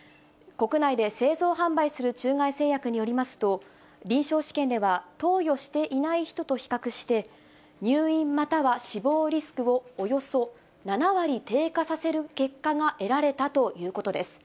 国内で製造販売する中外製薬によりますと、臨床試験では投与していない人と比較して、入院、または死亡リスクをおよそ７割低下させる結果が得られたということです。